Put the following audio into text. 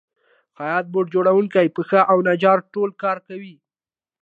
خیاط، بوټ جوړونکی، پښ او نجار ټول کار کوي